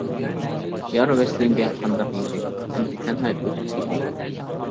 يار ۋەسلىڭگە قانداق يېتەي، ئەمدى تەنھا ئۆتۈپ كېتەي.